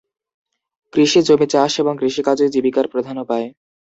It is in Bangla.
কৃষি জমি চাষ এবং কৃষিকাজই জীবিকার প্রধান উপায়।